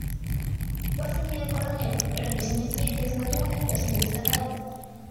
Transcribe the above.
Fue ascendido a coronel, pero en los años siguientes no tuvo una actuación destacada.